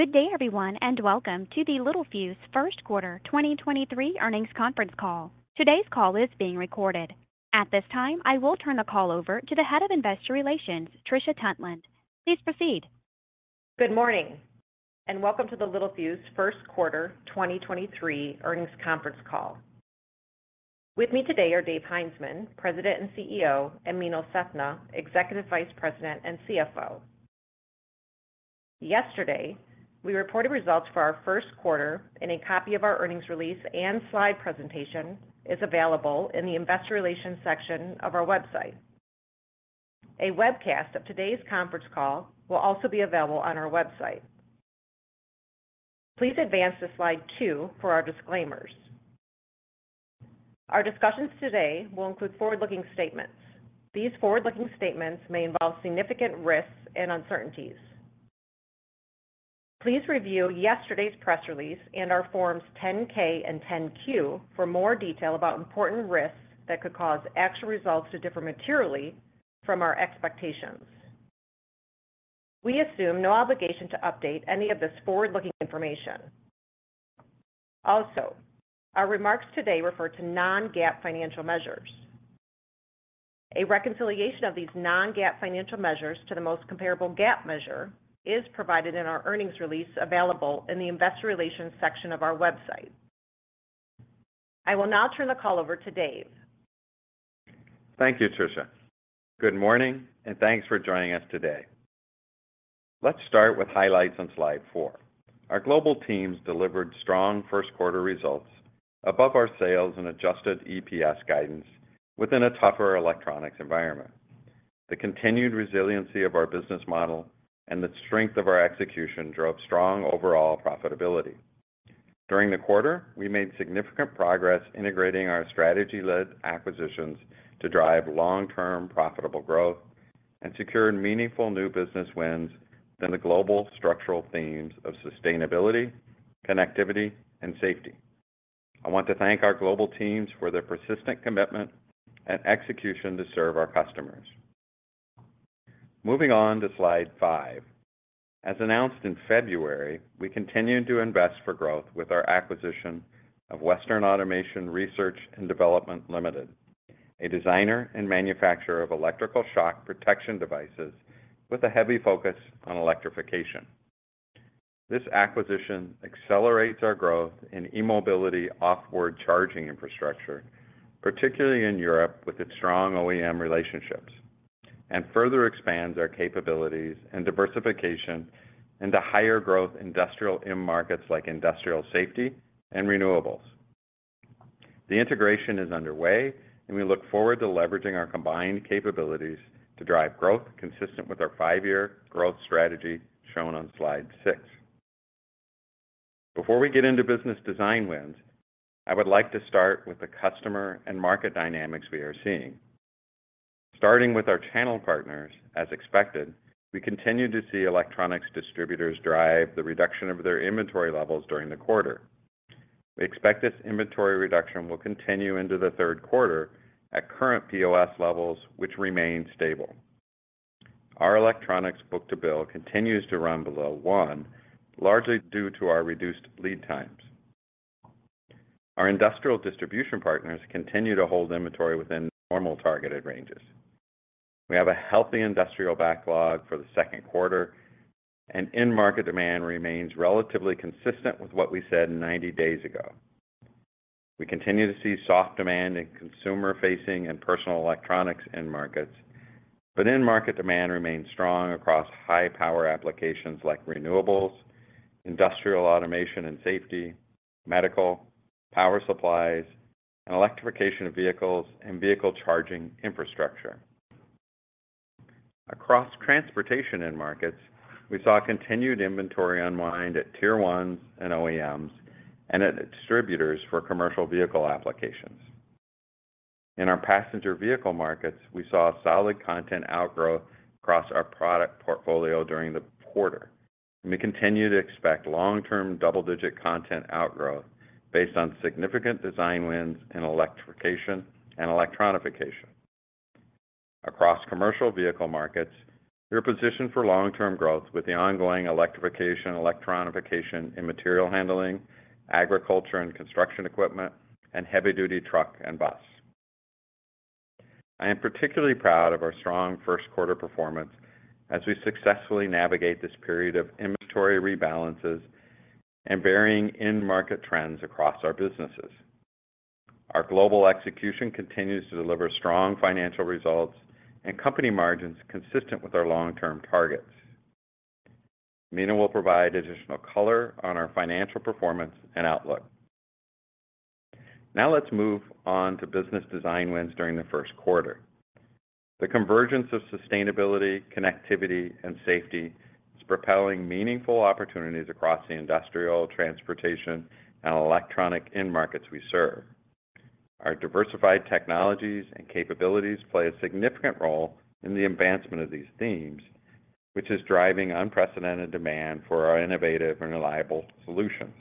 Good day, everyone, and welcome to the Littelfuse first quarter 2023 earnings conference call. Today's call is being recorded. At this time, I will turn the call over to the Head of Investor Relations, Trisha Tuntland. Please proceed. Good morning, welcome to the Littelfuse first quarter 2023 earnings conference call. With me today are Dave Heinzmann, President and CEO, and Meenal Sethna, Executive Vice President and CFO. Yesterday, we reported results for our first quarter, and a copy of our earnings release and slide presentation is available in the Investor Relations section of our website. A webcast of today's conference call will also be available on our website. Please advance to slide two for our disclaimers. Our discussions today will include forward-looking statements. These forward-looking statements may involve significant risks and uncertainties. Please review yesterday's press release and our Forms 10-K and 10-Q for more detail about important risks that could cause actual results to differ materially from our expectations. We assume no obligation to update any of this forward-looking information. Also, our remarks today refer to non-GAAP financial measures. A reconciliation of these non-GAAP financial measures to the most comparable GAAP measure is provided in our earnings release available in the Investor Relations section of our website. I will now turn the call over to Dave. Thank you, Trisha. Good morning, and thanks for joining us today. Let's start with highlights on slide four. Our global teams delivered strong first quarter results above our sales and adjusted EPS guidance within a tougher electronics environment. The continued resiliency of our business model and the strength of our execution drove strong overall profitability. During the quarter, we made significant progress integrating our strategy-led acquisitions to drive long-term profitable growth and secured meaningful new business wins in the global structural themes of sustainability, connectivity, and safety. I want to thank our global teams for their persistent commitment and execution to serve our customers. Moving on to slide five. As announced in February, we continued to invest for growth with our acquisition of Western Automation Research and Development Limited, a designer and manufacturer of electrical shock protection devices with a heavy focus on electrification. This acquisition accelerates our growth in e-mobility off-board charging infrastructure, particularly in Europe with its strong OEM relationships, and further expands our capabilities and diversification into higher growth industrial end markets like industrial safety and renewables. The integration is underway. We look forward to leveraging our combined capabilities to drive growth consistent with our five-year growth strategy shown on slide six. Before we get into business design wins, I would like to start with the customer and market dynamics we are seeing. Starting with our channel partners, as expected, we continue to see electronics distributors drive the reduction of their inventory levels during the quarter. We expect this inventory reduction will continue into the third quarter at current POS levels, which remain stable. Our electronics book-to-bill continues to run below 1, largely due to our reduced lead times. Our industrial distribution partners continue to hold inventory within normal targeted ranges. We have a healthy industrial backlog for the 2nd quarter. End market demand remains relatively consistent with what we said 90 days ago. We continue to see soft demand in consumer-facing and personal electronics end markets. End market demand remains strong across high-power applications like renewables, industrial automation and safety, medical, power supplies, and electrification of vehicles and vehicle charging infrastructure. Across transportation end markets, we saw continued inventory unwind at tier ones and OEMs and at distributors for commercial vehicle applications. In our passenger vehicle markets, we saw a solid content outgrowth across our product portfolio during the quarter. We continue to expect long-term double-digit content outgrowth based on significant design wins in electrification and electronification. Across commercial vehicle markets, we are positioned for long-term growth with the ongoing electrification and electronification in material handling, agriculture and construction equipment, and heavy-duty truck and bus. I am particularly proud of our strong first quarter performance as we successfully navigate this period of inventory rebalances and varying end market trends across our businesses. Our global execution continues to deliver strong financial results and company margins consistent with our long-term targets. Meenal will provide additional color on our financial performance and outlook. Let's move on to business design wins during the first quarter. The convergence of sustainability, connectivity, and safety is propelling meaningful opportunities across the industrial, transportation, and electronic end markets we serve. Our diversified technologies and capabilities play a significant role in the advancement of these themes, which is driving unprecedented demand for our innovative and reliable solutions.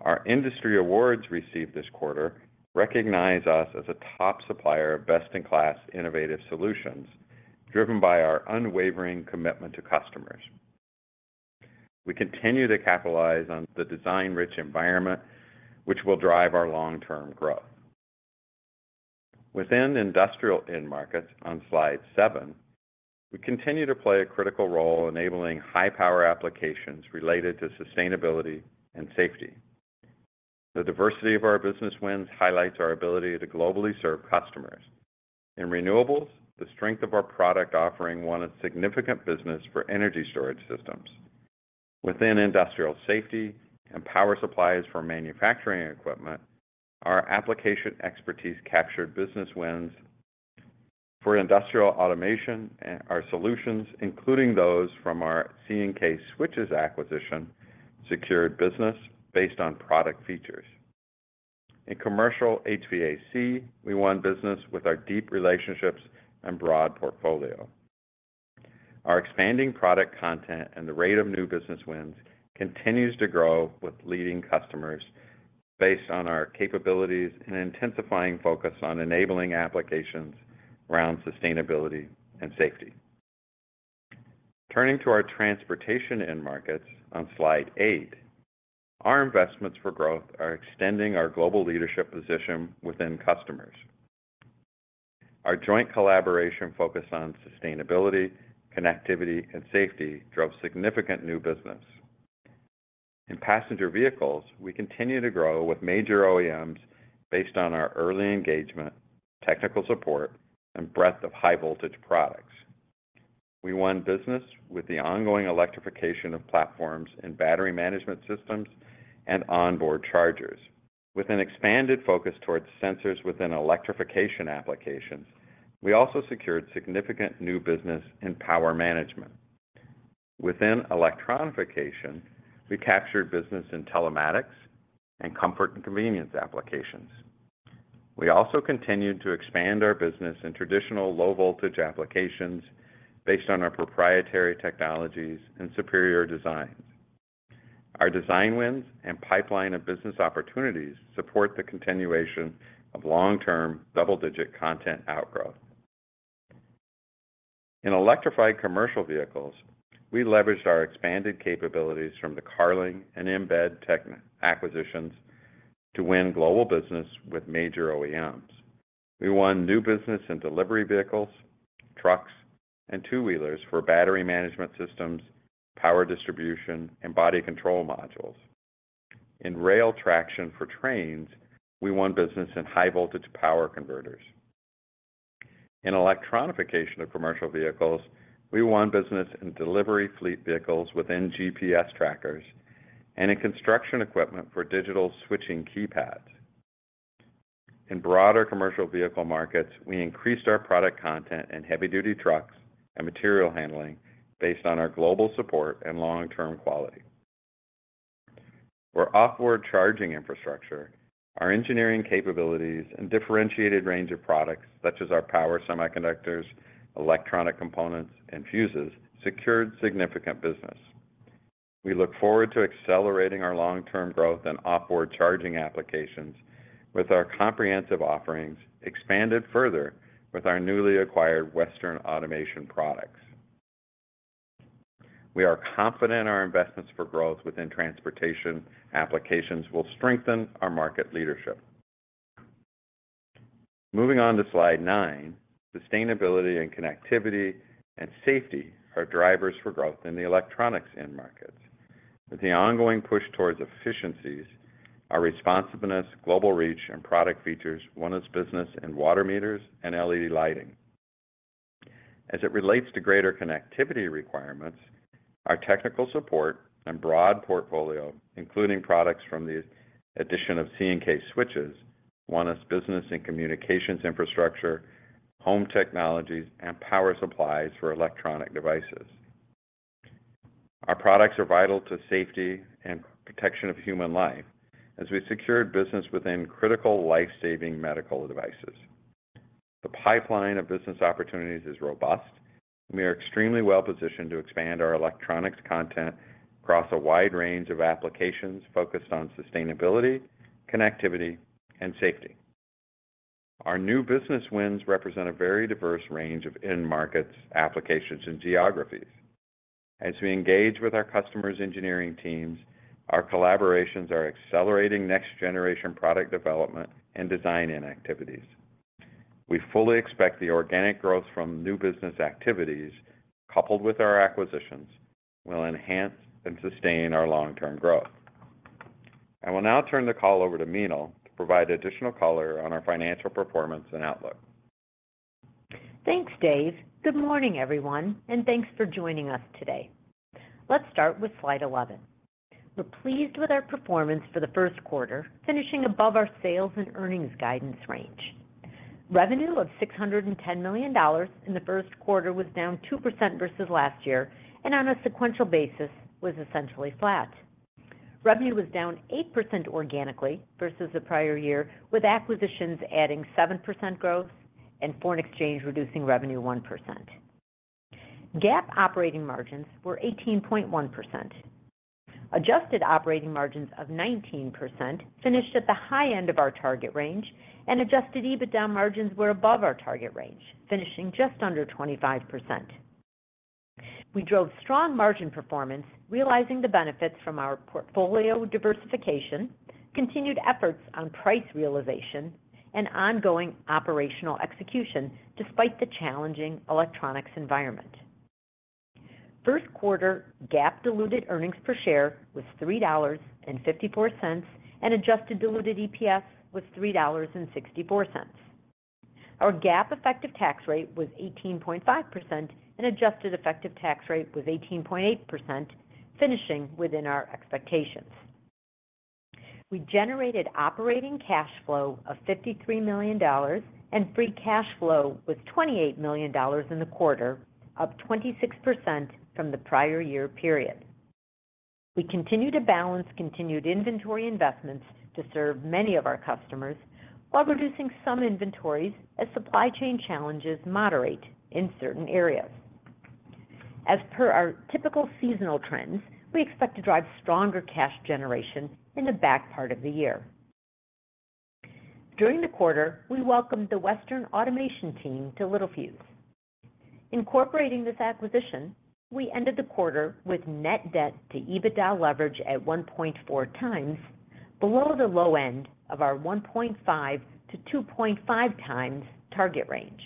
Our industry awards received this quarter recognize us as a top supplier of best-in-class innovative solutions, driven by our unwavering commitment to customers. We continue to capitalize on the design-rich environment, which will drive our long-term growth. Within industrial end markets on slide seven, we continue to play a critical role enabling high-power applications related to sustainability and safety. The diversity of our business wins highlights our ability to globally serve customers. In renewables, the strength of our product offering won a significant business for energy storage systems. Within industrial safety and power supplies for manufacturing equipment, our application expertise captured business wins. For industrial automation and our solutions, including those from our C&K Switches acquisition, secured business based on product features. In commercial HVAC, we won business with our deep relationships and broad portfolio. Our expanding product content and the rate of new business wins continues to grow with leading customers based on our capabilities and intensifying focus on enabling applications around sustainability and safety. Turning to our transportation end markets on Slide eight, our investments for growth are extending our global leadership position within customers. Our joint collaboration focused on sustainability, connectivity, and safety drove significant new business. In passenger vehicles, we continue to grow with major OEMs based on our early engagement, technical support, and breadth of high-voltage products. We won business with the ongoing electrification of platforms in battery management systems and onboard chargers. With an expanded focus towards sensors within electrification applications, we also secured significant new business in power management. Within electronification, we captured business in telematics and comfort and convenience applications. We also continued to expand our business in traditional low-voltage applications based on our proprietary technologies and superior designs. Our design wins and pipeline of business opportunities support the continuation of long-term double-digit content outgrowth. In electrified commercial vehicles, we leveraged our expanded capabilities from the Carling and Embed techno acquisitions to win global business with major OEMs. We won new business in delivery vehicles, trucks, and two-wheelers for battery management systems, power distribution, and body control modules. In rail traction for trains, we won business in high voltage power converters. In electronification of commercial vehicles, we won business in delivery fleet vehicles within GPS trackers and in construction equipment for digital switching keypads. In broader commercial vehicle markets, we increased our product content in heavy-duty trucks and material handling based on our global support and long-term quality. For off-board charging infrastructure, our engineering capabilities and differentiated range of products, such as our power semiconductors, electronic components, and fuses, secured significant business. We look forward to accelerating our long-term growth in off-board charging applications with our comprehensive offerings expanded further with our newly acquired Western Automation products. We are confident our investments for growth within transportation applications will strengthen our market leadership. Moving on to slide nine, sustainability and connectivity and safety are drivers for growth in the electronics end markets. With the ongoing push towards efficiencies, our responsiveness, global reach, and product features won us business in water meters and LED lighting. As it relates to greater connectivity requirements, our technical support and broad portfolio, including products from the addition of C&K Switches, won us business in communications infrastructure, home technologies, and power supplies for electronic devices. Our products are vital to safety and protection of human life as we secured business within critical life-saving medical devices. The pipeline of business opportunities is robust, and we are extremely well-positioned to expand our electronics content across a wide range of applications focused on sustainability, connectivity, and safety. Our new business wins represent a very diverse range of end markets, applications, and geographies. As we engage with our customers' engineering teams, our collaborations are accelerating next-generation product development and design-in activities. We fully expect the organic growth from new business activities, coupled with our acquisitions, will enhance and sustain our long-term growth. I will now turn the call over to Meenal to provide additional color on our financial performance and outlook. Thanks, Dave. Good morning, everyone, thanks for joining us today. Let's start with slide 11. We're pleased with our performance for the first quarter, finishing above our sales and earnings guidance range. Revenue of $610 million in the first quarter was down 2% versus last year and on a sequential basis was essentially flat. Revenue was down 8% organically versus the prior year, with acquisitions adding 7% growth and foreign exchange reducing revenue 1%. GAAP operating margins were 18.1%. Adjusted operating margins of 19% finished at the high end of our target range, and adjusted EBITDA margins were above our target range, finishing just under 25%. We drove strong margin performance, realizing the benefits from our portfolio diversification, continued efforts on price realization, and ongoing operational execution despite the challenging electronics environment. First quarter GAAP diluted earnings per share was $3.54, adjusted diluted EPS was $3.64. Our GAAP effective tax rate was 18.5%, adjusted effective tax rate was 18.8%, finishing within our expectations. We generated operating cash flow of $53 million, free cash flow was $28 million in the quarter, up 26% from the prior year period. We continue to balance continued inventory investments to serve many of our customers while reducing some inventories as supply chain challenges moderate in certain areas. As per our typical seasonal trends, we expect to drive stronger cash generation in the back part of the year. During the quarter, we welcomed the Western Automation team to Littelfuse. Incorporating this acquisition, we ended the quarter with net debt to EBITDA leverage at 1.4x below the low end of our 1.5x-2.5x target range.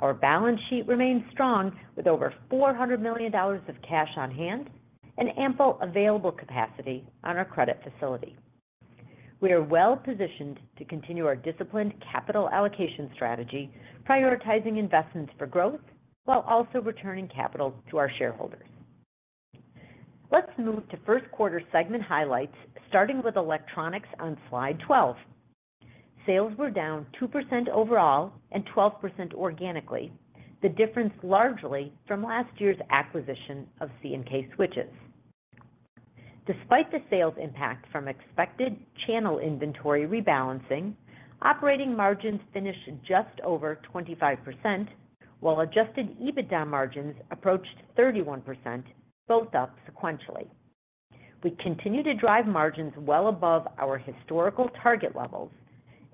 Our balance sheet remains strong with over $400 million of cash on hand and ample available capacity on our credit facility. We are well-positioned to continue our disciplined capital allocation strategy, prioritizing investments for growth while also returning capital to our shareholders. Let's move to first quarter segment highlights, starting with electronics on slide 12. Sales were down 2% overall and 12% organically, the difference largely from last year's acquisition of C&K Switches. Despite the sales impact from expected channel inventory rebalancing, operating margins finished just over 25%, while adjusted EBITDA margins approached 31%, both up sequentially. We continue to drive margins well above our historical target levels,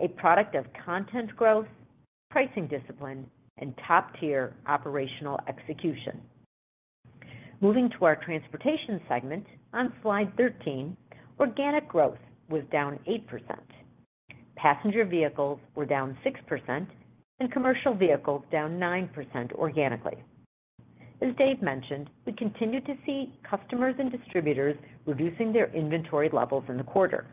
a product of content growth, pricing discipline, and top-tier operational execution. Moving to our transportation segment on slide 13, organic growth was down 8%. Passenger vehicles were down 6%, commercial vehicles down 9% organically. As Dave mentioned, we continued to see customers and distributors reducing their inventory levels in the quarter.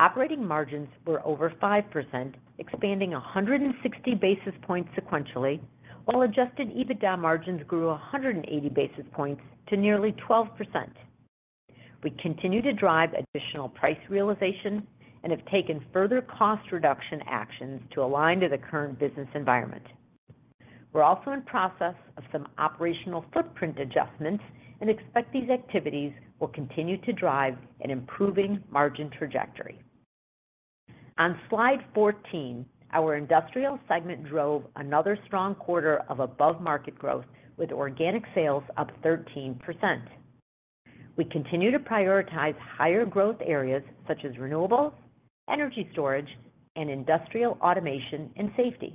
Operating margins were over 5%, expanding 160 basis points sequentially, while adjusted EBITDA margins grew 180 basis points to nearly 12%. We continue to drive additional price realization and have taken further cost reduction actions to align to the current business environment. We're also in process of some operational footprint adjustments and expect these activities will continue to drive an improving margin trajectory. On slide 14, our industrial segment drove another strong quarter of above-market growth with organic sales up 13%. We continue to prioritize higher growth areas such as renewables, energy storage, and industrial automation and safety.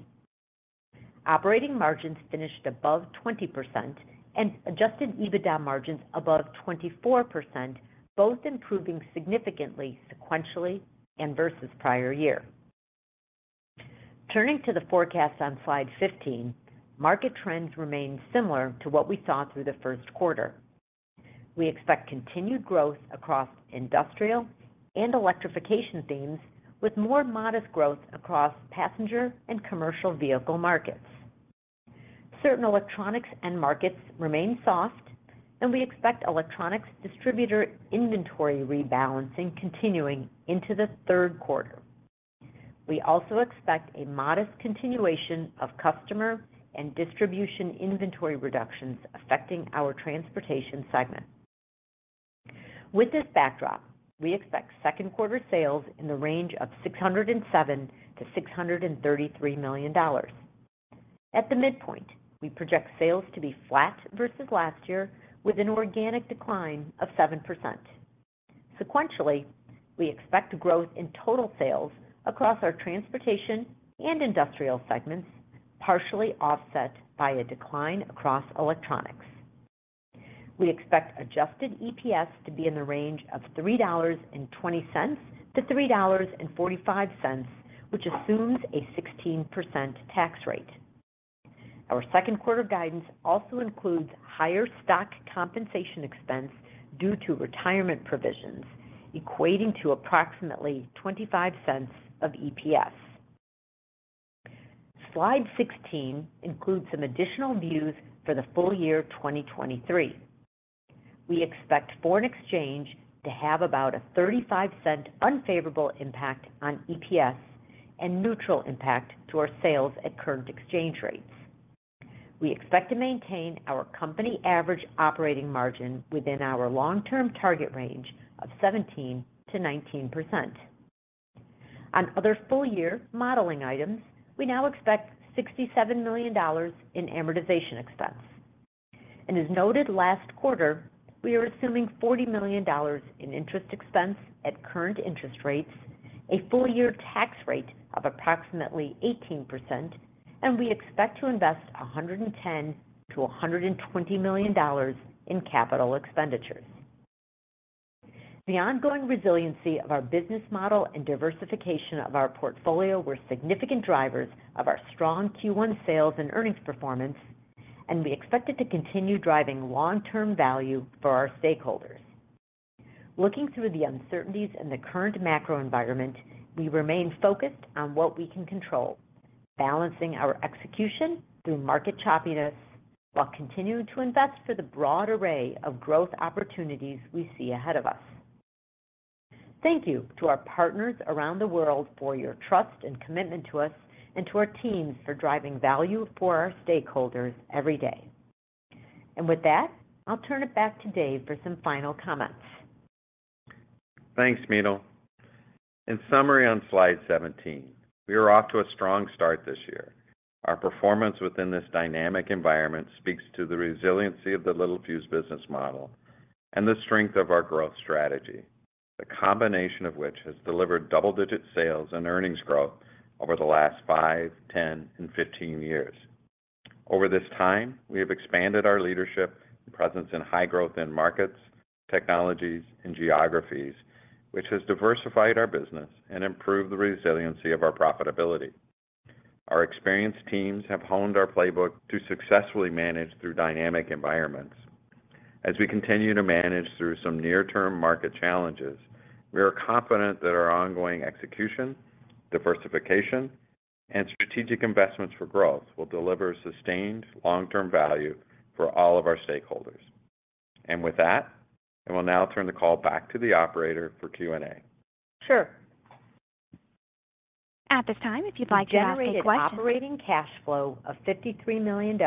Operating margins finished above 20% and adjusted EBITDA margins above 24%, both improving significantly sequentially and versus prior year. Turning to the forecast on slide 15, market trends remain similar to what we saw through the 1st quarter. We expect continued growth across industrial and electrification themes with more modest growth across passenger and commercial vehicle markets. Certain electronics end markets remain soft, and we expect electronics distributor inventory rebalancing continuing into the 3rd quarter. We also expect a modest continuation of customer and distribution inventory reductions affecting our transportation segment. With this backdrop, we expect second quarter sales in the range of $607 million-$633 million. At the midpoint, we project sales to be flat versus last year with an organic decline of 7%. Sequentially, we expect growth in total sales across our transportation and industrial segments, partially offset by a decline across electronics. We expect adjusted EPS to be in the range of $3.20-$3.45, which assumes a 16% tax rate. Our second quarter guidance also includes higher stock compensation expense due to retirement provisions equating to approximately $0.25 of EPS. Slide 16 includes some additional views for the full year 2023. We expect foreign exchange to have about a $0.35 unfavorable impact on EPS and neutral impact to our sales at current exchange rates. We expect to maintain our company average operating margin within our long-term target range of 17%-19%. On other full year modeling items, we now expect $67 million in amortization expense. As noted last quarter, we are assuming $40 million in interest expense at current interest rates, a full year tax rate of approximately 18%, and we expect to invest $110 million-$120 million in capital expenditures. The ongoing resiliency of our business model and diversification of our portfolio were significant drivers of our strong Q1 sales and earnings performance, and we expect it to continue driving long-term value for our stakeholders. Looking through the uncertainties in the current macro environment, we remain focused on what we can control, balancing our execution through market choppiness while continuing to invest for the broad array of growth opportunities we see ahead of us. Thank you to our partners around the world for your trust and commitment to us and to our teams for driving value for our stakeholders every day. With that, I'll turn it back to Dave for some final comments. Thanks, Meenal. In summary on slide 17, we are off to a strong start this year. Our performance within this dynamic environment speaks to the resiliency of the Littelfuse business model and the strength of our growth strategy, the combination of which has delivered double-digit sales and earnings growth over the last 5, 10, and 15 years. Over this time, we have expanded our leadership presence in high-growth end markets, technologies, and geographies, which has diversified our business and improved the resiliency of our profitability. Our experienced teams have honed our playbook to successfully manage through dynamic environments. As we continue to manage through some near-term market challenges, we are confident that our ongoing execution, diversification, and strategic investments for growth will deliver sustained long-term value for all of our stakeholders. With that, I will now turn the call back to the operator for Q&A. Sure. At this time, if you'd like to ask a question. Generated operating cash flow of $53 million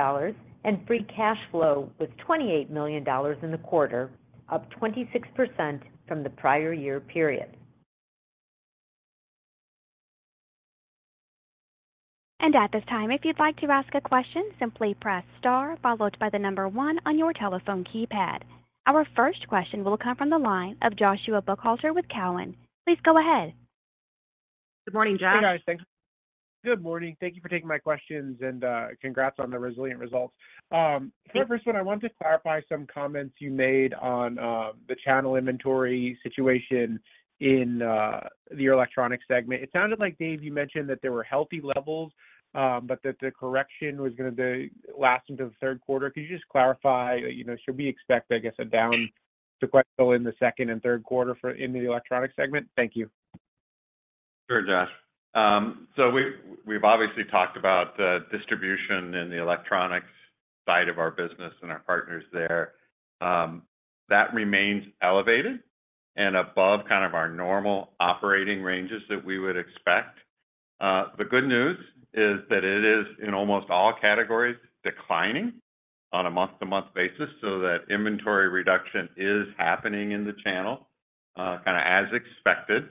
and free cash flow was $28 million in the quarter, up 26% from the prior year period. At this time, if you'd like to ask a question, simply press star followed by one on your telephone keypad. Our first question will come from the line of Joshua Buchalter with Cowen. Please go ahead. Good morning, Josh. Hey, guys. Thanks. Good morning. Thank you for taking my questions. Congrats on the resilient results. First one, I wanted to clarify some comments you made on the channel inventory situation in your electronics segment. It sounded like, Dave, you mentioned that there were healthy levels, but that the correction was gonna last into the third quarter. Could you just clarify, you know, should we expect, I guess, a down sequential in the second and third quarter in the electronics segment? Thank you. Sure, Josh. We've, we've obviously talked about the distribution in the electronics side of our business and our partners there. That remains elevated and above kind of our normal operating ranges that we would expect. The good news is that it is, in almost all categories, declining on a month-to-month basis so that inventory reduction is happening in the channel, kinda as expected.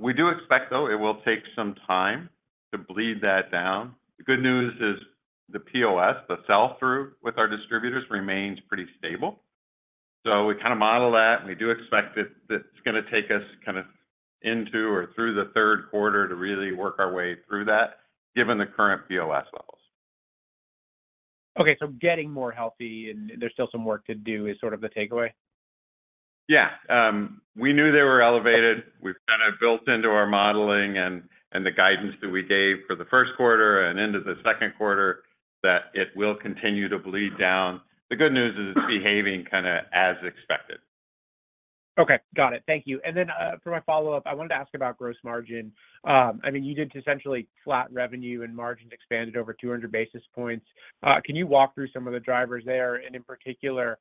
We do expect, though, it will take some time to bleed that down. The good news is the POS, the sell-through with our distributors remains pretty stable. We kinda model that, and we do expect that it's gonna take us kinda into or through the third quarter to really work our way through that given the current POS levels. Okay. Getting more healthy and there's still some work to do is sort of the takeaway? Yeah. We knew they were elevated. We've kinda built into our modeling and the guidance that we gave for the first quarter and into the second quarter that it will continue to bleed down. The good news is it's behaving kinda as expected. Okay. Got it. Thank you. Then, for my follow-up, I wanted to ask about gross margin. I mean, you did essentially flat revenue and margins expanded over 200 basis points. Can you walk through some of the drivers there? In particular,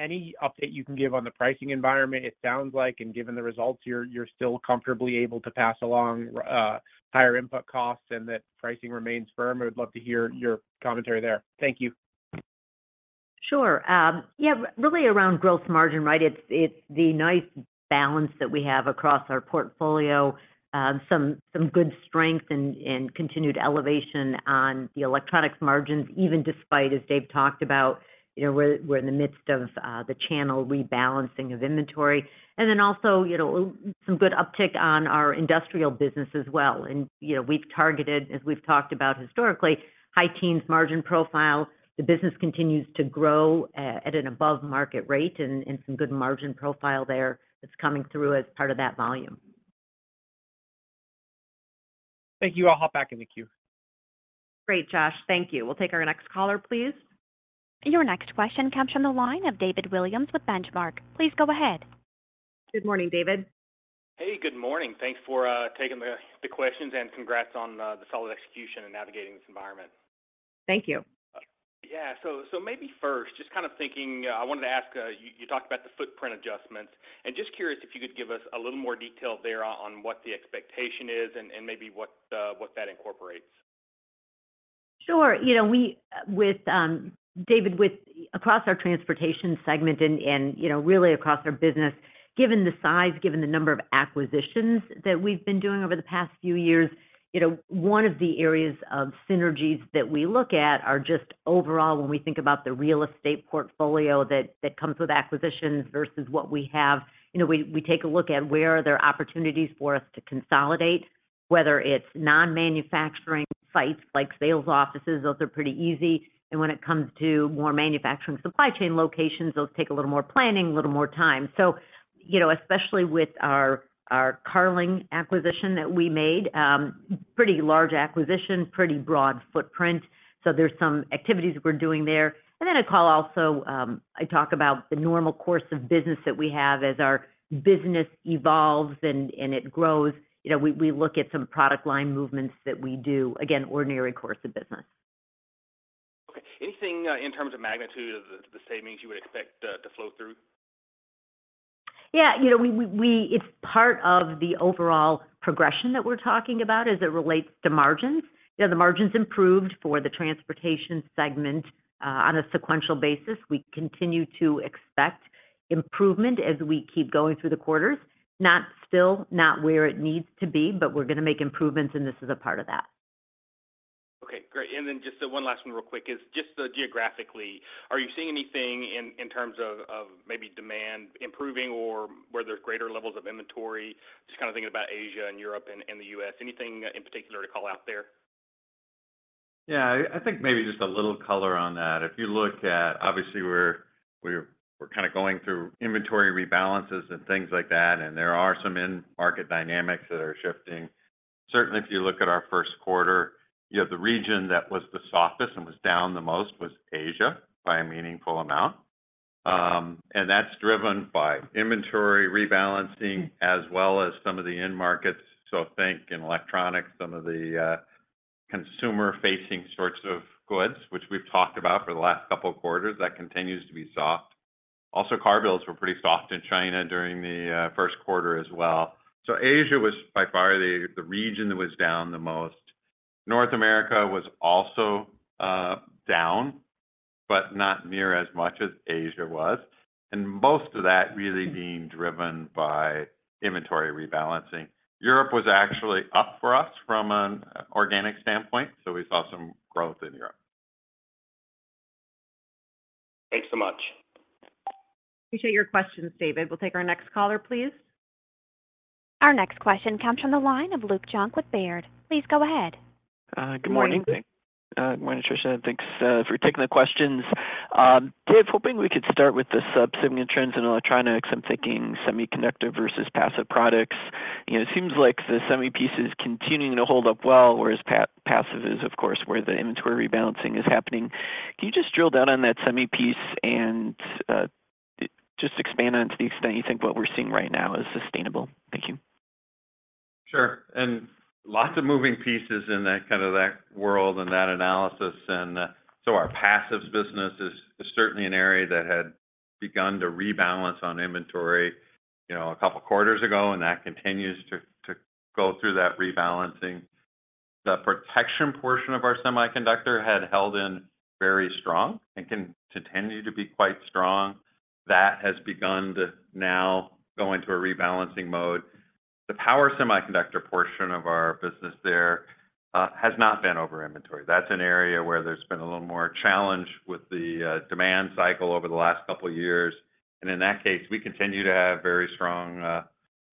any update you can give on the pricing environment, it sounds like, and given the results, you're still comfortably able to pass along, higher input costs and that pricing remains firm. I would love to hear your commentary there. Thank you. Sure. Yeah, really around growth margin, right? It's, it's the nice balance that we have across our portfolio. Some, some good strength and continued elevation on the electronics margins, even despite, as Dave talked about, you know, we're in the midst of the channel rebalancing of inventory. Also, you know, some good uptick on our industrial business as well. You know, we've targeted, as we've talked about historically, high teens margin profile. The business continues to grow at an above-market rate and some good margin profile there that's coming through as part of that volume. Thank you. I'll hop back in the queue. Great, Josh. Thank you. We'll take our next caller, please. Your next question comes from the line of David Williams with Benchmark. Please go ahead. Good morning, David. Hey, good morning. Thanks for taking the questions, and congrats on the solid execution and navigating this environment. Thank you. Yeah. Maybe first, just kind of thinking, I wanted to ask, you talked about the footprint adjustments, and just curious if you could give us a little more detail there on what the expectation is and maybe what that incorporates. Sure. You know, we, with, David, with across our transportation segment and, you know, really across our business, given the size, given the number of acquisitions that we've been doing over the past few years, you know, one of the areas of synergies that we look at are just overall, when we think about the real estate portfolio that comes with acquisitions versus what we have. You know, we take a look at where are there opportunities for us to consolidate, whether it's non-manufacturing sites like sales offices, those are pretty easy. When it comes to more manufacturing supply chain locations, those take a little more planning, a little more time. You know, especially with our Carling acquisition that we made, pretty large acquisition, pretty broad footprint. There's some activities we're doing there. I talk about the normal course of business that we have as our business evolves and it grows. You know, we look at some product line movements that we do, again, ordinary course of business. Okay. Anything, in terms of magnitude of the savings you would expect to flow through? Yeah. You know, it's part of the overall progression that we're talking about as it relates to margins. You know, the margins improved for the transportation segment on a sequential basis. We continue to expect improvement as we keep going through the quarters. Not still not where it needs to be, but we're gonna make improvements, and this is a part of that. Okay, great. Just one last one real quick is just geographically, are you seeing anything in terms of maybe demand improving or where there's greater levels of inventory? Just kind of thinking about Asia and Europe and the U.S. Anything in particular to call out there? Yeah. I think maybe just a little color on that. If you look at obviously, we're kind of going through inventory rebalances and things like that, and there are some end market dynamics that are shifting. Certainly, if you look at our first quarter, you know, the region that was the softest and was down the most was Asia by a meaningful amount. That's driven by inventory rebalancing as well as some of the end markets. Think in electronics, some of the consumer-facing sorts of goods, which we've talked about for the last couple of quarters, that continues to be soft. Also, car builds were pretty soft in China during the first quarter as well. Asia was by far the region that was down the most. North America was also down, but not near as much as Asia was, and most of that really being driven by inventory rebalancing. Europe was actually up for us from an organic standpoint, so we saw some growth in Europe. Thanks so much. Appreciate your questions, David. We'll take our next caller, please. Our next question comes from the line of Luke Junk with Baird. Please go ahead. Good morning. Good morning. Good morning, Tricia. Thanks for taking the questions. Dave, hoping we could start with the sub segment trends in electronics. I'm thinking semiconductor versus passive products. You know, it seems like the semi piece is continuing to hold up well, whereas passive is, of course, where the inventory rebalancing is happening. Can you just drill down on that semi piece and just expand on it to the extent you think what we're seeing right now is sustainable? Thank you. Sure. Lots of moving pieces in that kind of that world and that analysis. So our passives business is certainly an area that had begun to rebalance on inventory, you know, a couple of quarters ago, and that continues to go through that rebalancing. The protection portion of our semiconductor had held in very strong and can continue to be quite strong. That has begun to now go into a rebalancing mode. The power semiconductor portion of our business there has not been over inventory. That's an area where there's been a little more challenge with the demand cycle over the last couple of years. In that case, we continue to have very strong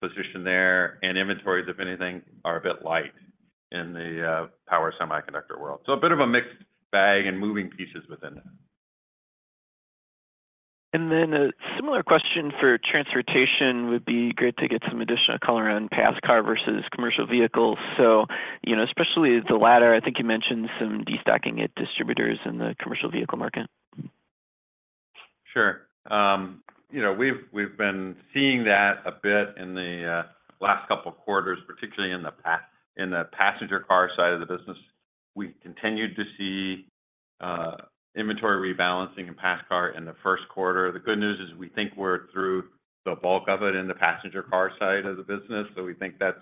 position there. Inventories, if anything, are a bit light in the power semiconductor world. A bit of a mixed bag and moving pieces within that. A similar question for transportation would be great to get some additional color on pass car versus commercial vehicles. You know, especially the latter, I think you mentioned some destocking at distributors in the commercial vehicle market. Sure. you know, we've been seeing that a bit in the last couple of quarters, particularly in the passenger car side of the business. We continued to see inventory rebalancing in pass car in the first quarter. The good news is we think we're through the bulk of it in the passenger car side of the business, we think that's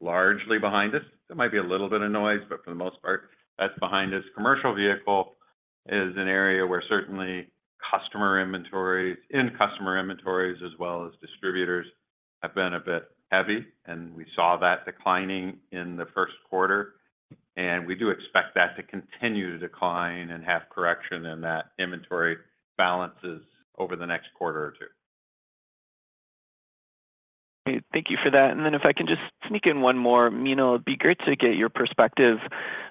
largely behind us. There might be a little bit of noise, but for the most part, that's behind us. Commercial vehicle is an area where certainly customer inventories, end customer inventories as well as distributors have been a bit heavy, we saw that declining in the first quarter. We do expect that to continue to decline and have correction in that inventory balances over the next quarter or 2. Thank you for that. If I can just sneak in one more. You know, it'd be great to get your perspective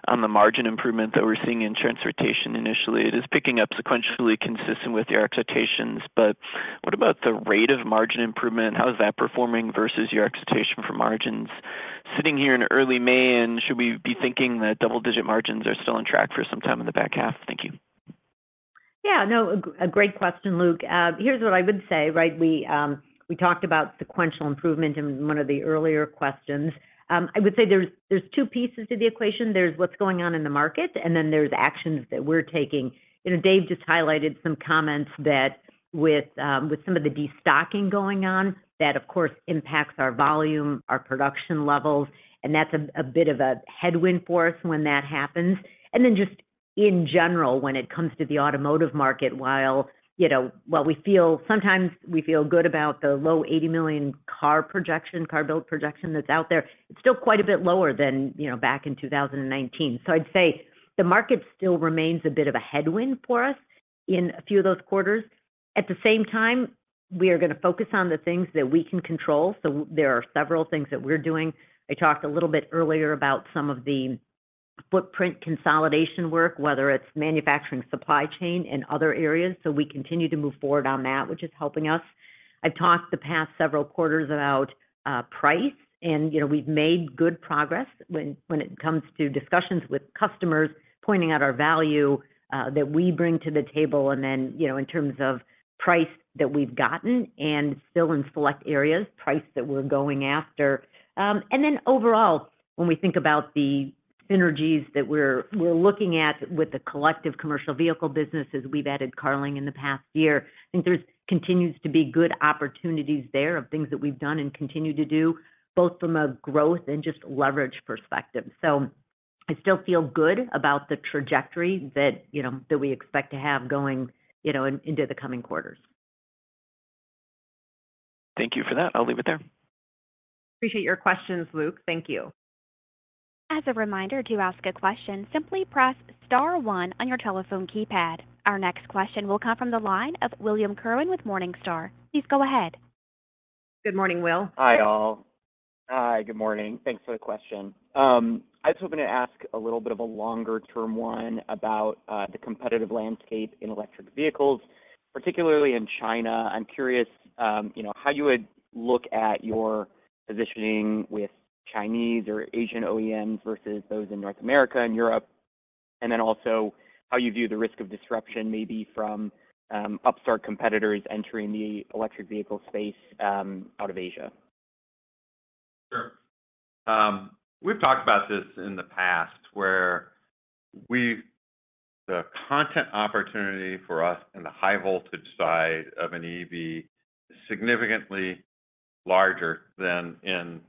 on the margin improvement that we're seeing in transportation initially. It is picking up sequentially consistent with your expectations, but what about the rate of margin improvement? How is that performing versus your expectation for margins sitting here in early May? Should we be thinking that double-digit margins are still on track for some time in the back half? Thank you. Yeah. No, a great question, Luke. Here's what I would say, right? We talked about sequential improvement in one of the earlier questions. I would say there's two pieces to the equation. There's what's going on in the market, there's actions that we're taking. You know, Dave just highlighted some comments that with some of the destocking going on, that, of course, impacts our volume, our production levels, that's a bit of a headwind for us when that happens. Just in general, when it comes to the automotive market, while, you know, while sometimes we feel good about the low 80 million car projection, car build projection that's out there, it's still quite a bit lower than, you know, back in 2019. I'd say the market still remains a bit of a headwind for us in a few of those quarters. At the same time, we are gonna focus on the things that we can control. There are several things that we're doing. I talked a little bit earlier about some of the footprint consolidation work, whether it's manufacturing, supply chain and other areas. We continue to move forward on that, which is helping us. I've talked the past several quarters about price, and, you know, we've made good progress when it comes to discussions with customers, pointing out our value that we bring to the table, and then, you know, in terms of price that we've gotten and still in select areas, price that we're going after. Overall, when we think about the synergies that we're looking at with the collective commercial vehicle businesses, we've added Carling in the past year, I think there's continues to be good opportunities there of things that we've done and continue to do, both from a growth and just leverage perspective. I still feel good about the trajectory that, you know, that we expect to have going, you know, into the coming quarters. Thank you for that. I'll leave it there. Appreciate your questions, Luke. Thank you. As a reminder, to ask a question, simply press star one on your telephone keypad. Our next question will come from the line of William Kerwin with Morningstar. Please go ahead. Good morning, Will. Hi, all. Hi, good morning. Thanks for the question. I was hoping to ask a little bit of a longer term one about the competitive landscape in electric vehicles, particularly in China. I'm curious, you know, how you would look at your positioning with Chinese or Asian OEMs versus those in North America and Europe, and then also how you view the risk of disruption, maybe from upstart competitors entering the electric vehicle space out of Asia. Sure. We've talked about this in the past, the content opportunity for us in the high voltage side of an EV is significantly larger than in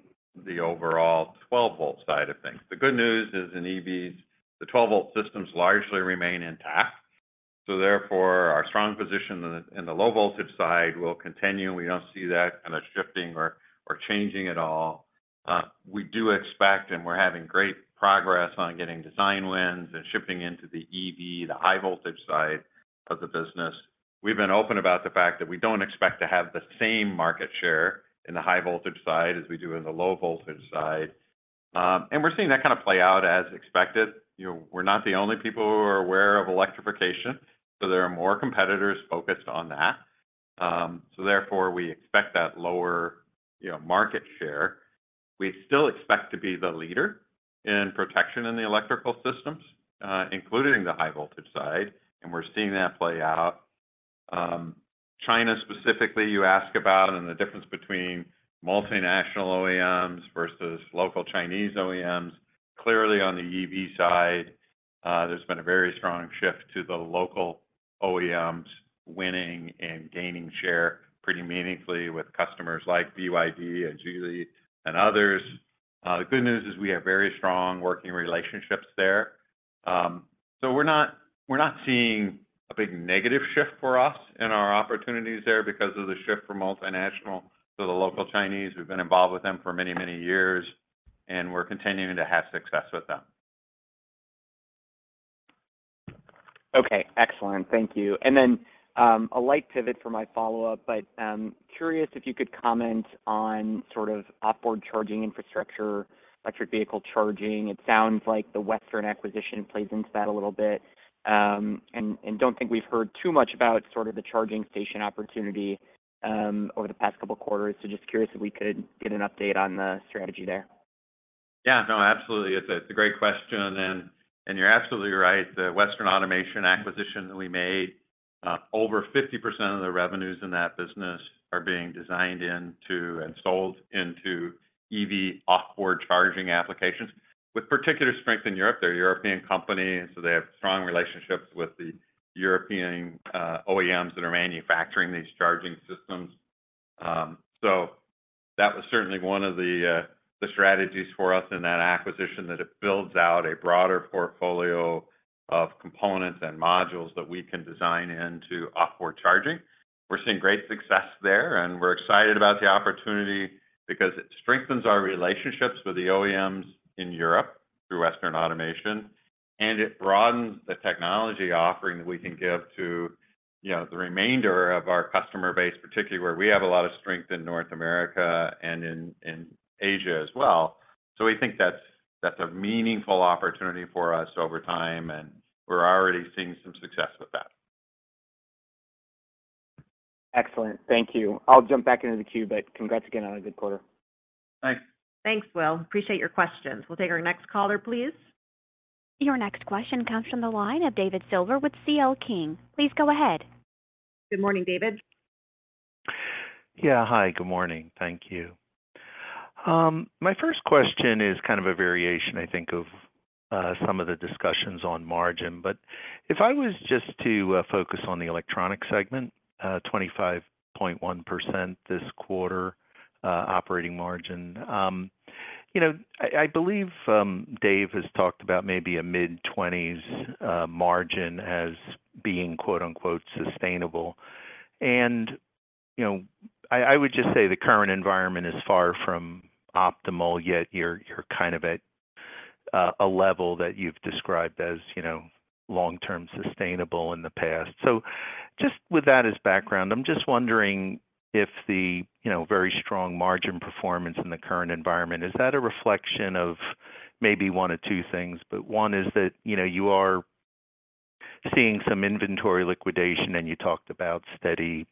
the overall 12 volt side of things. The good news is in EVs, the 12 volt systems largely remain intact, so therefore our strong position in the low voltage side will continue. We don't see that kind of shifting or changing at all. We do expect, and we're having great progress on getting design wins and shipping into the EV, the high voltage side of the business. We've been open about the fact that we don't expect to have the same market share in the high voltage side as we do in the low voltage side. And we're seeing that kind of play out as expected. You know, we're not the only people who are aware of electrification. There are more competitors focused on that. Therefore we expect that lower, you know, market share. We still expect to be the leader in protection in the electrical systems, including the high voltage side, and we're seeing that play out. China specifically, you ask about and the difference between multinational OEMs versus local Chinese OEMs. Clearly on the EV side, there's been a very strong shift to the local OEMs winning and gaining share pretty meaningfully with customers like BYD and Geely and others. The good news is we have very strong working relationships there. We're not seeing a big negative shift for us in our opportunities there because of the shift from multinational to the local Chinese. We've been involved with them for many, many years, and we're continuing to have success with them. Okay, excellent. Thank you. Then, a light pivot for my follow-up, but I'm curious if you could comment on sort of off-board charging infrastructure, electric vehicle charging. It sounds like the Western acquisition plays into that a little bit, and don't think we've heard too much about sort of the charging station opportunity over the past couple quarters. Just curious if we could get an update on the strategy there? Yeah, no, absolutely. It's a, it's a great question and you're absolutely right. The Western Automation acquisition that we made, over 50% of the revenues in that business are being designed into and sold into EV off-board charging applications with particular strength in Europe. They're a European company, and so they have strong relationships with the European OEMs that are manufacturing these charging systems. So that was certainly one of the strategies for us in that acquisition, that it builds out a broader portfolio of components and modules that we can design into off-board charging. We're seeing great success there, and we're excited about the opportunity because it strengthens our relationships with the OEMs in Europe through Western Automation, and it broadens the technology offering that we can give to, you know, the remainder of our customer base, particularly where we have a lot of strength in North America and in Asia as well. We think that's a meaningful opportunity for us over time, and we're already seeing some success with that. Excellent. Thank you. I'll jump back into the queue, but congrats again on a good quarter. Thanks. Thanks, Will. Appreciate your questions. We'll take our next caller, please. Your next question comes from the line of David Silver with C.L. King. Please go ahead. Good morning, David. Yeah, hi. Good morning. Thank you. My first question is kind of a variation, I think, of some of the discussions on margin. If I was just to focus on the electronic segment, 25.1% this quarter, operating margin. You know, I believe, Dave has talked about maybe a mid-twenties margin as being quote-unquote sustainable. You know, I would just say the current environment is far from optimal, yet you're kind of at a level that you've described as, you know, long-term sustainable in the past. Just with that as background, I'm just wondering if the, you know, very strong margin performance in the current environment, is that a reflection of maybe one of two things, but one is that, you know, you are seeing some inventory liquidation and you talked about steady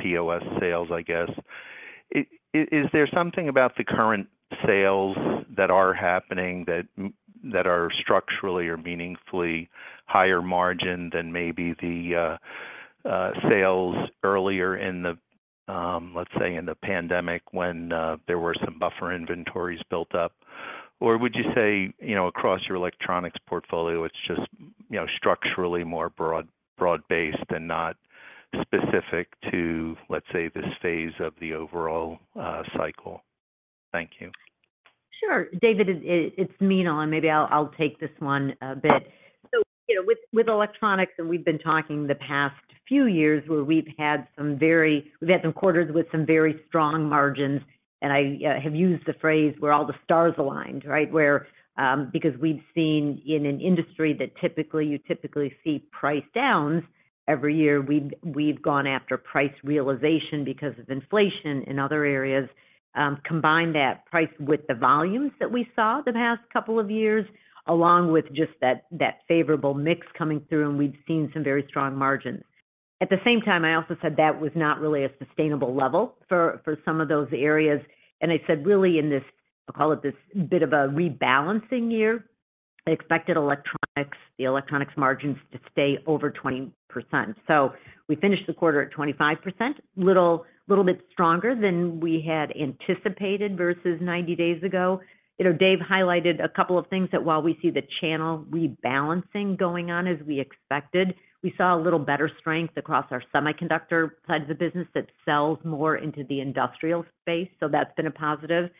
POS sales, I guess. Is there something about the current sales that are happening that are structurally or meaningfully higher margin than maybe the sales earlier in the pandemic when there were some buffer inventories built up? Or would you say, you know, across your electronics portfolio, it's just, you know, structurally more broad-based and not specific to, let's say, this phase of the overall cycle? Thank you. Sure. David, it's Meenal, and maybe I'll take this one a bit. You know, with electronics, and we've been talking the past few years where we've had some quarters with some very strong margins. I have used the phrase, "where all the stars aligned," right? Where, because we've seen in an industry that typically you typically see price downs every year we've gone after price realization because of inflation in other areas. Combine that price with the volumes that we saw the past couple of years, along with just that favorable mix coming through, and we've seen some very strong margins. At the same time, I also said that was not really a sustainable level for some of those areas. I said, really in this, I'll call it this bit of a rebalancing year, I expected electronics, the electronics margins to stay over 20%. We finished the quarter at 25%. Little bit stronger than we had anticipated versus 90 days ago. You know, Dave highlighted a couple of things that while we see the channel rebalancing going on as we expected, we saw a little better strength across our semiconductor side of the business that sells more into the industrial space. That's been a positive.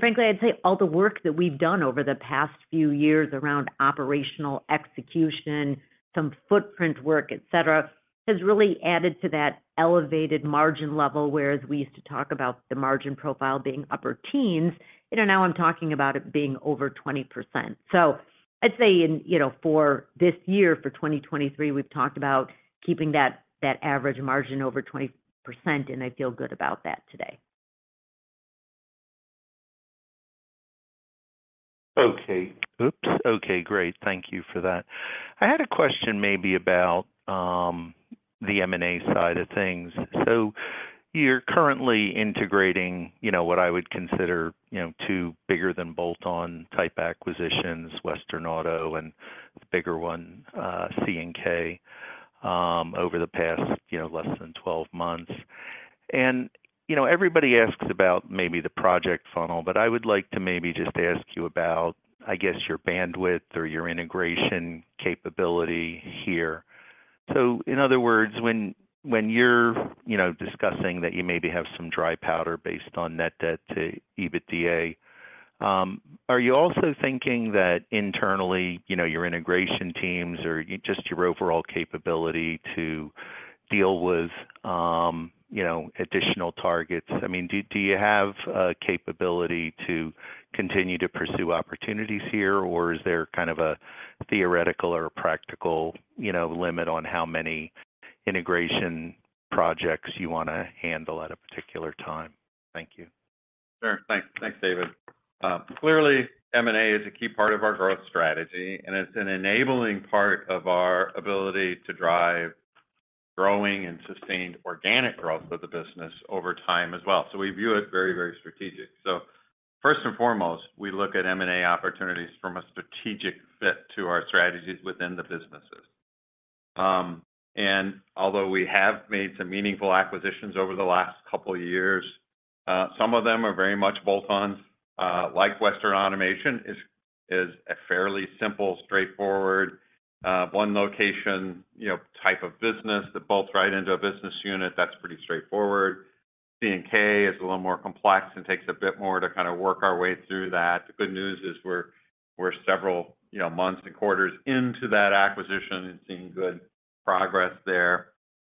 Frankly, I'd say all the work that we've done over the past few years around operational execution, some footprint work, et cetera, has really added to that elevated margin level, whereas we used to talk about the margin profile being upper teens, and now I'm talking about it being over 20%. I'd say in, you know, for this year, for 2023, we've talked about keeping that average margin over 20%, and I feel good about that today. Okay. Oops. Okay, great. Thank you for that. I had a question maybe about the M&A side of things. You're currently integrating, you know, what I would consider, you know, 2 bigger than bolt-on type acquisitions, Western Automation and the bigger one, C&K, over the past, you know, less than 12 months. You know, everybody asks about maybe the project funnel, but I would like to maybe just ask you about, I guess, your bandwidth or your integration capability here. In other words, when you're, you know, discussing that you maybe have some dry powder based on net debt to EBITDA, are you also thinking that internally, you know, your integration teams or just your overall capability to deal with, you know, additional targets? I mean, do you have a capability to continue to pursue opportunities here? Is there kind of a theoretical or practical, you know, limit on how many integration projects you want to handle at a particular time? Thank you. Sure. Thanks. Thanks, David. Clearly, M&A is a key part of our growth strategy, and it's an enabling part of our ability to drive growing and sustained organic growth of the business over time as well. We view it very, very strategic. First and foremost, we look at M&A opportunities from a strategic fit to our strategies within the businesses. Although we have made some meaningful acquisitions over the last couple of years, some of them are very much bolt-ons, like Western Automation is a fairly simple, straightforward, one location, you know, type of business that bolts right into a business unit. That's pretty straightforward. C&K is a little more complex and takes a bit more to kind of work our way through that. The good news is we're several, you know, months and quarters into that acquisition and seeing good progress there.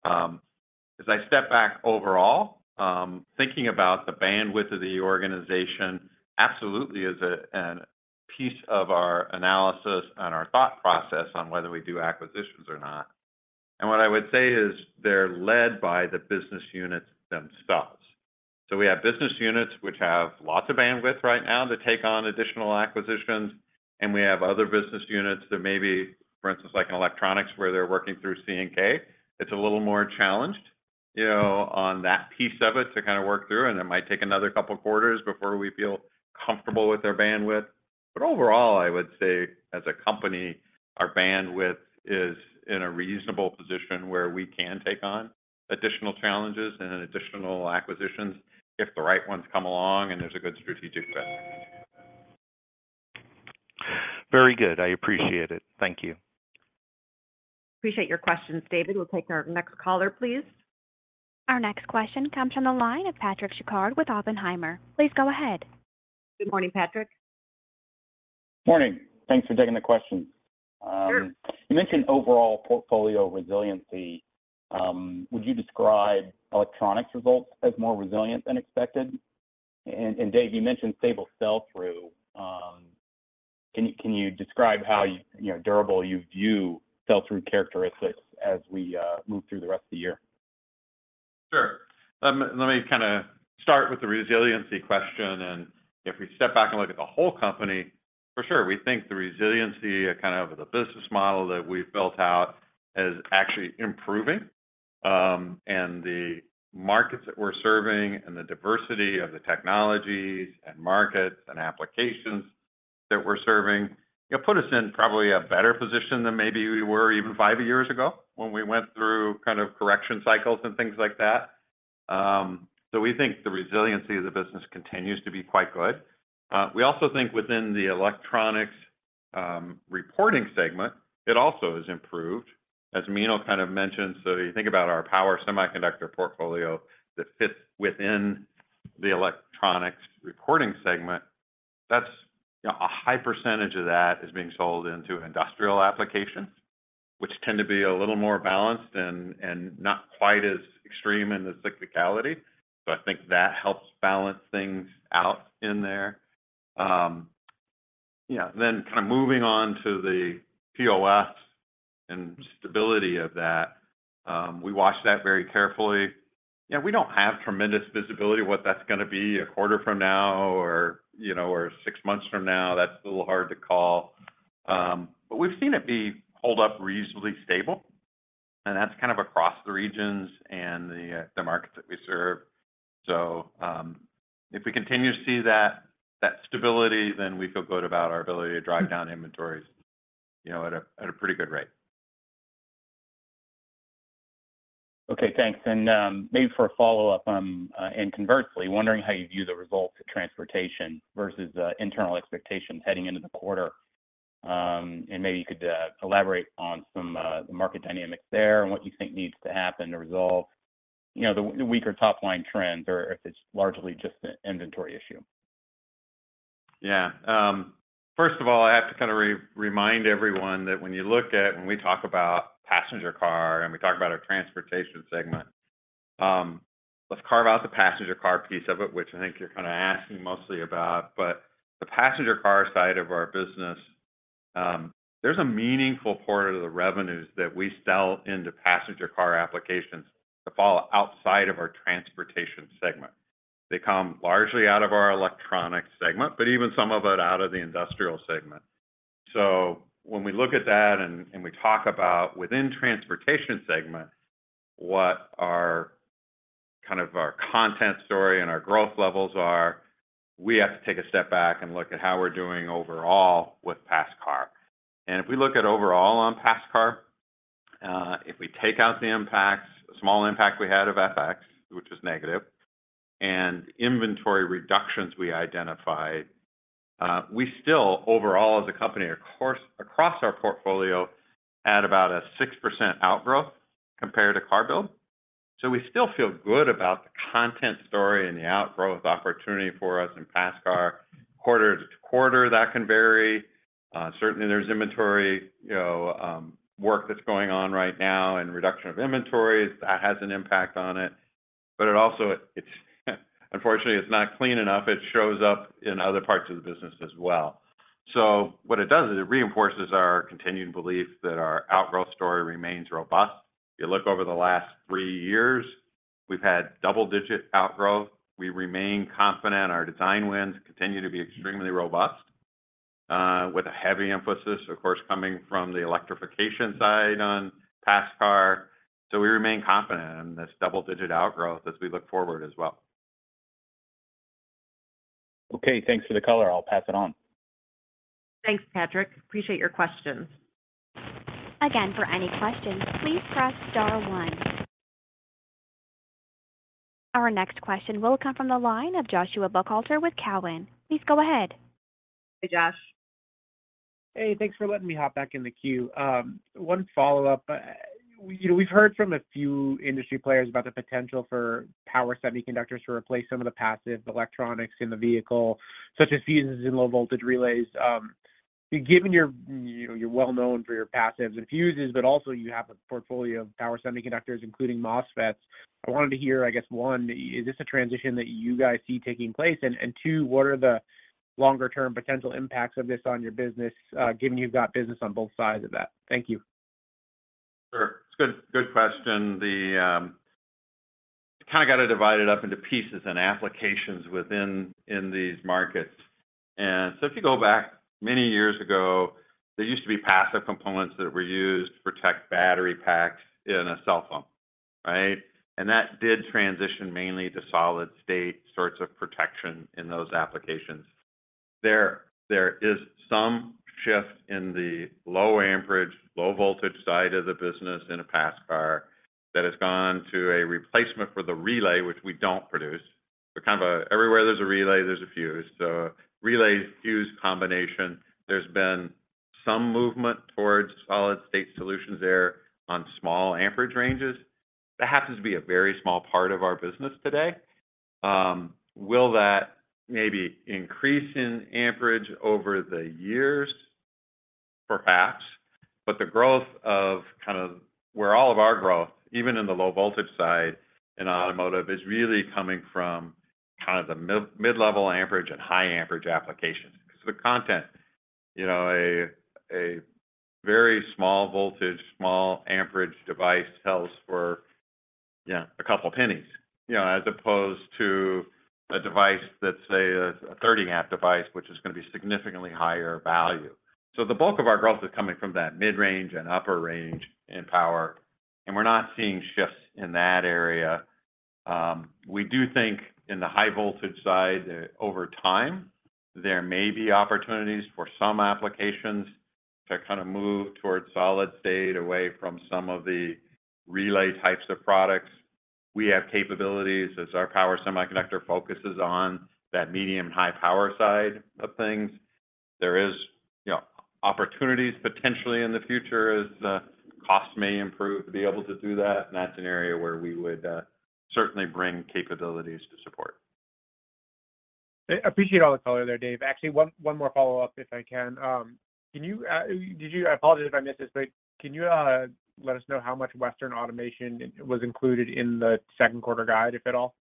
As I step back overall, thinking about the bandwidth of the organization absolutely is a piece of our analysis and our thought process on whether we do acquisitions or not. What I would say is they're led by the business units themselves. We have business units which have lots of bandwidth right now to take on additional acquisitions, and we have other business units that maybe, for instance, like in electronics where they're working through C&K, it's a little more challenged, you know, on that piece of it to kind of work through, and it might take another couple of quarters before we feel comfortable with their bandwidth. Overall, I would say as a company, our bandwidth is in a reasonable position where we can take on additional challenges and additional acquisitions if the right ones come along and there's a good strategic fit. Very good. I appreciate it. Thank you. Appreciate your questions, David. We'll take our next caller, please. Our next question comes from the line of Christopher Glynn with Oppenheimer. Please go ahead. Good morning, Patrick. Morning. Thanks for taking the question. Sure. You mentioned overall portfolio resiliency. Would you describe electronics results as more resilient than expected? Dave, you mentioned stable sell-through. Can you describe how, you know, durable you view sell-through characteristics as we move through the rest of the year? Sure. Let me kinda start with the resiliency question. If we step back and look at the whole company, for sure, we think the resiliency of, kind of the business model that we've built out is actually improving. And the markets that we're serving and the diversity of the technologies and markets and applications that we're serving, it'll put us in probably a better position than maybe we were even five years ago when we went through kind of correction cycles and things like that. We think the resiliency of the business continues to be quite good. We also think within the electronics reporting segment, it also has improved, as Meenal kind of mentioned. You think about our power semiconductor portfolio that fits within the electronics reporting segment. That's, you know, a high percentage of that is being sold into industrial applications, which tend to be a little more balanced and not quite as extreme in the cyclicality. I think that helps balance things out in there. Yeah. Kind of moving on to the POS and stability of that, we watch that very carefully. You know, we don't have tremendous visibility of what that's gonna be a quarter from now or, you know, or six months from now. That's a little hard to call. But we've seen it hold up reasonably stable, and that's kind of across the regions and the markets that we serve. If we continue to see that stability, then we feel good about our ability to drive down inventories, you know, at a, at a pretty good rate. Okay, thanks. Maybe for a follow-up, and conversely, wondering how you view the results of transportation versus internal expectations heading into the quarter. Maybe you could elaborate on some the market dynamics there and what you think needs to happen to resolve, you know, the weaker top-line trends or if it's largely just an inventory issue. Yeah. First of all, I have to kind of remind everyone that when you look at, when we talk about passenger car and we talk about our Transportation segment, let's carve out the passenger car piece of it, which I think you're kind of asking mostly about. The passenger car side of our business, there's a meaningful portion of the revenues that we sell into passenger car applications that fall outside of our Transportation segment. They come largely out of our Electronics segment, but even some of it out of the Industrial segment. When we look at that and we talk about within Transportation segment what our kind of our content story and our growth levels are, we have to take a step back and look at how we're doing overall with pass car. If we look at overall on pass car, if we take out the impacts, small impact we had of FX, which is negative, and inventory reductions we identified, we still overall as a company across our portfolio had about a 6% outgrowth compared to car build. We still feel good about the content story and the outgrowth opportunity for us in pass car. Quarter to quarter, that can vary. Certainly there's inventory, you know, work that's going on right now and reduction of inventories. That has an impact on it. It also, it's unfortunately it's not clean enough. It shows up in other parts of the business as well. What it does is it reinforces our continuing belief that our outgrowth story remains robust. If you look over the last 3 years, we've had double-digit outgrowth. We remain confident our design wins continue to be extremely robust, with a heavy emphasis, of course, coming from the electrification side on pass car. We remain confident in this double-digit outgrowth as we look forward as well. Okay, thanks for the color. I'll pass it on. Thanks, Patrick. Appreciate your questions. Again, for any questions, please press star one. Our next question will come from the line of Joshua Buchalter with Cowen. Please go ahead. Hey, Josh. Hey, thanks for letting me hop back in the queue. One follow-up. You know, we've heard from a few industry players about the potential for power semiconductors to replace some of the passive electronics in the vehicle, such as fuses and low voltage relays. Given your, you know, you're well known for your passives and fuses, but also you have a portfolio of power semiconductors, including MOSFETs. I wanted to hear, I guess one, is this a transition that you guys see taking place? And two, what are the longer term potential impacts of this on your business, given you've got business on both sides of that? Thank you. Sure. It's a good question. You kind of got to divide it up into pieces and applications within, in these markets. If you go back many years ago, there used to be passive components that were used to protect battery packs in a cell phone, right? That did transition mainly to solid state sorts of protection in those applications. There, there is some shift in the low amperage, low voltage side of the business in a pass car that has gone to a replacement for the relay, which we don't produce. Kind of a everywhere there's a relay, there's a fuse. Relay fuse combination, there's been some movement towards solid state solutions there on small amperage ranges. That happens to be a very small part of our business today. Will that maybe increase in amperage over the years? Perhaps. The growth of kind of where all of our growth, even in the low voltage side in automotive, is really coming from kind of the mid-level amperage and high amperage applications 'cause the content, you know, a very small voltage, small amperage device sells for, you know, a couple pennies, you know, as opposed to a device that's, say, a 30 amp device, which is gonna be significantly higher value. The bulk of our growth is coming from that mid-range and upper range in power, and we're not seeing shifts in that area. We do think in the high voltage side, over time, there may be opportunities for some applications to kind of move towards solid state away from some of the relay types of products. We have capabilities as our power semiconductor focuses on that medium high power side of things. There is, you know, opportunities potentially in the future as costs may improve to be able to do that, and that's an area where we would certainly bring capabilities to support. Appreciate all the color there, Dave. Actually, one more follow-up if I can. I apologize if I missed this, but can you let us know how much Western Automation was included in the second quarter guide, if at all?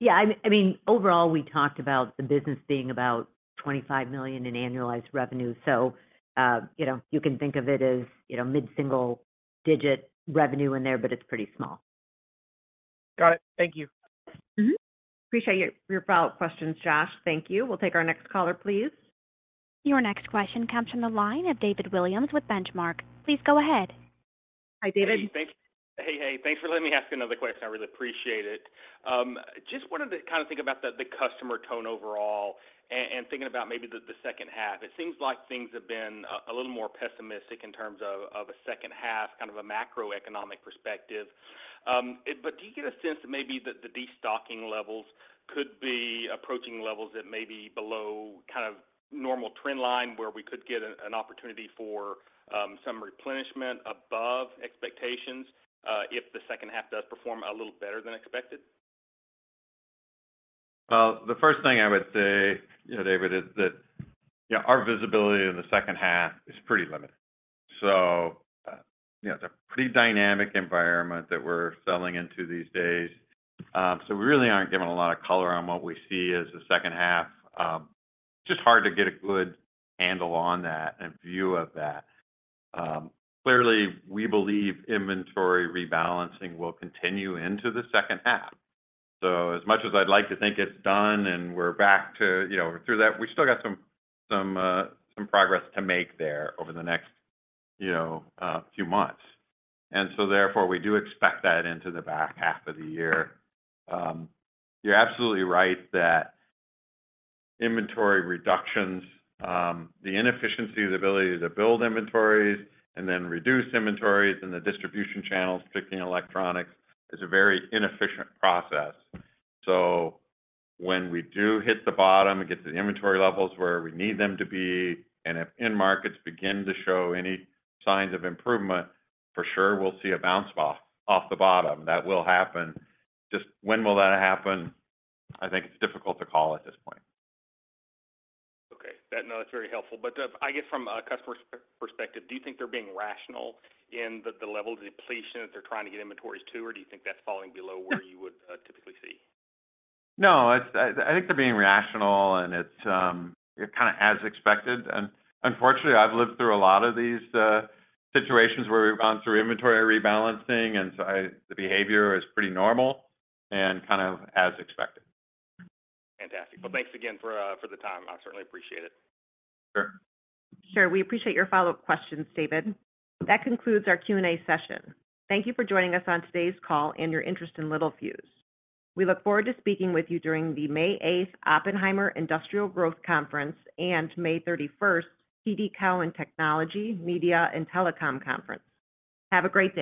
Yeah. I mean, overall, we talked about the business being about $25 million in annualized revenue. You know, you can think of it as, you know, mid-single digit revenue in there, but it's pretty small. Got it. Thank you. Appreciate your follow-up questions, Josh. Thank you. We'll take our next caller, please. Your next question comes from the line of David Williams with Benchmark. Please go ahead. Hi, David. Hey. Hey, hey. Thanks for letting me ask another question. I really appreciate it. Just wanted to kind of think about the customer tone overall and thinking about maybe the second half. It seems like things have been a little more pessimistic in terms of a second half, kind of a macroeconomic perspective. Do you get a sense that maybe the destocking levels could be approaching levels that may be below kind of normal trend line where we could get an opportunity for some replenishment above expectations if the second half does perform a little better than expected? The first thing I would say, you know, David, is that, you know, our visibility in the second half is pretty limited. It's a pretty dynamic environment that we're selling into these days. We really aren't giving a lot of color on what we see as the second half. Just hard to get a good handle on that and view of that. Clearly, we believe inventory rebalancing will continue into the second half. As much as I'd like to think it's done and we're back to, you know, through that, we still got some progress to make there over the next, you know, few months. Therefore, we do expect that into the back half of the year. You're absolutely right that inventory reductions, the inefficiency of the ability to build inventories and then reduce inventories in the distribution channels, picking electronics is a very inefficient process. When we do hit the bottom and get to the inventory levels where we need them to be, and if end markets begin to show any signs of improvement, for sure we'll see a bounce off the bottom. That will happen. When will that happen? I think it's difficult to call at this point. Okay. That no, that's very helpful. I guess from a customer's perspective, do you think they're being rational in the level of depletion that they're trying to get inventories to, or do you think that's falling below where you would typically see? No. It's, I think they're being rational, and it's, kind of as expected. Unfortunately, I've lived through a lot of these, situations where we've gone through inventory rebalancing, so the behavior is pretty normal and kind of as expected. Fantastic. Thanks again for for the time. I certainly appreciate it. Sure. Sure. We appreciate your follow-up questions, David. That concludes our Q&A session. Thank you for joining us on today's call and your interest in Littelfuse. We look forward to speaking with you during the May 8th Oppenheimer Industrial Growth Conference and May 31st TD Cowen Technology, Media & Telecom Conference. Have a great day.